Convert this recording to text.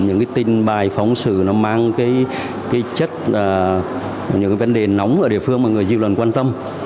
những cái tin bài phóng sự nó mang cái chất những cái vấn đề nóng ở địa phương mà người dư luận quan tâm